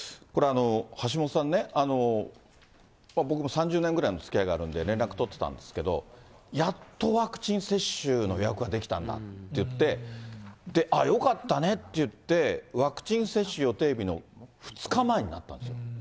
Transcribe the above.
橋下さんね、僕も３０年ぐらいのつきあいがあるんで、連絡取ってたんですけど、やっとワクチン接種の予約ができたんだといって、で、よかったねって言って、ワクチン接種予定日の２日前になったんですよ。